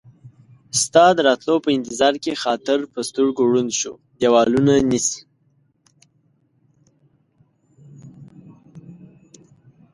ستا د راتلو په انتظار کې خاطر ، په سترګو ړوند شو ديوالونه نيسي